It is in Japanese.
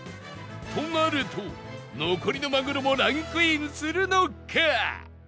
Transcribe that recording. となると残りのまぐろもランクインするのか！？